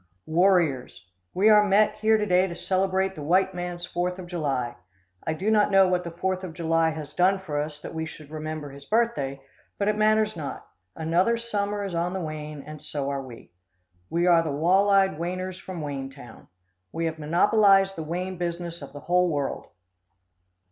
Warriors! We are met here to day to celebrate the white man's Fourth of July. I do not know what the Fourth of July has done for us that we should remember his birthday, but it matters not. Another summer is on the wane, and so are we. We are the walleyed waners from Wanetown. We have monopolized the wane business of the whole world.